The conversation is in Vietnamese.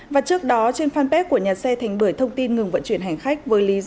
và trước đó trên fanpage của nhà xe thành bưởi thông tin ngừng vận chuyển hành khách